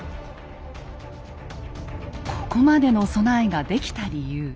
ここまでの備えができた理由。